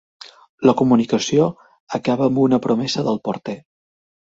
La comunicació acaba amb una promesa del porter.